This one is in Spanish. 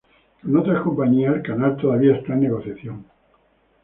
Con otras compañías, el canal todavía está en negociación.